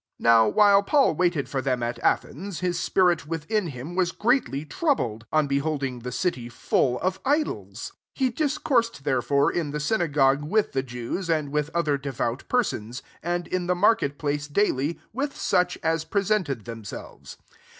16 NOW while Paul waited for them at Athens, his spirit within him was greatly troubled, on beholding the city full of idols. 17 He discoursed there fore, in the synagogue with the Jews, and with other devout persons; and in the market place daily with such as pre sented themselves.